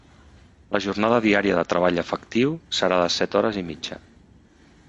La jornada diària de treball efectiu serà de set hores i mitja.